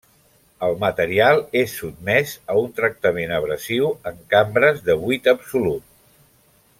El material és sotmès a un tractament abrasiu en cambres de buit absolut.